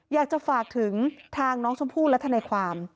อยากจะฝากถึงทางน้องชมพู่และทนายความ